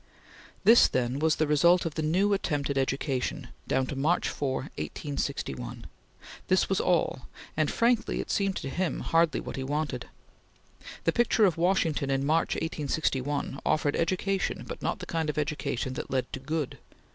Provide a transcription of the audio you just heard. This, then, was the result of the new attempt at education, down to March 4, 1861; this was all; and frankly, it seemed to him hardly what he wanted. The picture of Washington in March, 1861, offered education, but not the kind of education that led to good.